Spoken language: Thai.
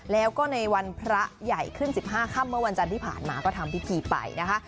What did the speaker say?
แล้วก็ในวันพระใหญ่ขึ้น๑๕ค่ำเมื่อวันจันทร์ที่ผ่านมาก็ทำพิธีไปนะคะ